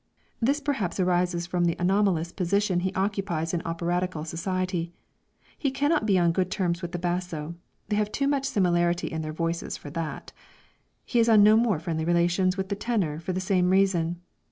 This perhaps arises from the anomalous position he occupies in operatical society. He cannot be on good terms with the basso, they have too much similarity in their voices for that; he is on no more friendly relations with the tenor for the same reason.